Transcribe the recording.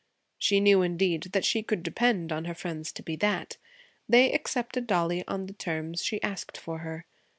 She knew, indeed, that she could depend on her friends to be that. They accepted Dollie on the terms she asked for her.